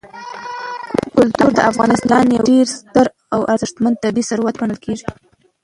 کلتور د افغانستان یو ډېر ستر او ارزښتمن طبعي ثروت ګڼل کېږي.